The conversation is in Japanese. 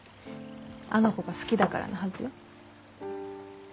あの子が好きだからなはずよ。